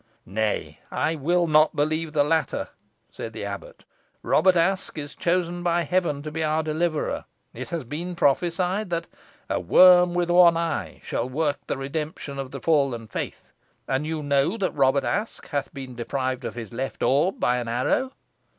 "Nay, I will not believe the latter," said the abbot; "Robert Aske is chosen by Heaven to be our deliverer. It has been prophesied that a 'worm with one eye' shall work the redemption of the fallen faith, and you know that Robert Aske hath been deprived of his left orb by an arrow."